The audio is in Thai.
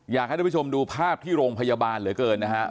อยากให้ทุกผู้ชมดูภาพที่โรงพยาบาลเหลือเกินนะฮะ